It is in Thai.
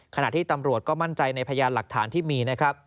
ขนาดที่ตำรวจมั่นใจในพยายามหลักฐานที่มี